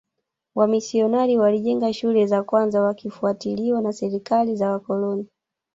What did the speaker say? Wamisionari walijenga shule za kwanza wakifuatiliwa na serikali za wakoloni